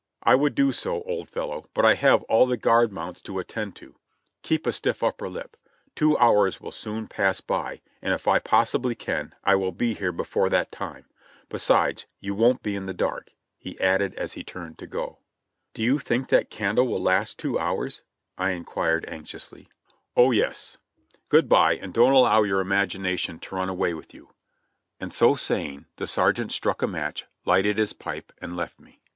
"I would do so, old fellow, but I have all the guard mounts to attend to. Keep a stiff upper lip! Two hours will soon pass by, and if I possibly can, I will be here before that time; besides, you won't be in the dark," he added as he turned to go. "Do you think that candle will last two hours?" I inquired anxiously. "Oh, yes. Good by, and don't allow your imagination to run 92 JOHNNY REB AND BILI,Y YANK away with you." And so saying the sergeant struck a match, lighted his pipe and left me.